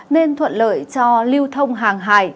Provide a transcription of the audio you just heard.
nên thuận lợi cho lưu thông hàng hải